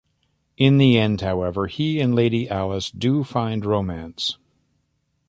In the end, however, he and Lady Alyce do find romance.